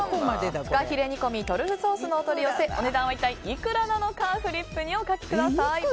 ふかひれ煮込みトリュフソースのお取り寄せお値段は一体いくらなのかフリップにお書きください。